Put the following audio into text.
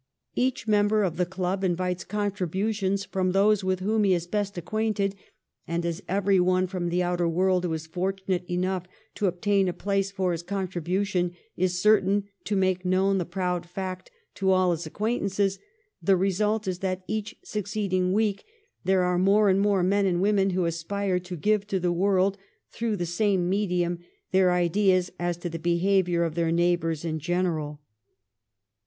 Each member of the club invites contributions from those with whom he is best acquainted, and as everyone from the outer world who is fortunate enough to obtain a place for his contribution is certain to make known the proud fact to all his acquaintances, the result is that each succeeding week there are more and more men and women who aspire to give to the world through the same medium their ideas as to the behaviour of 188 THE REIGN OF QUEEN ANNE. ch. xxix. their neighbours in general.